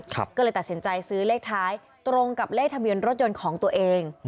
ก็เลยตัดสินใจซื้อเลขท้ายตรงกับเลขทะเบียนรถยนต์ของตัวเอง